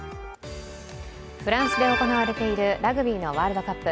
フランスで行われているラグビーのワールドカップ。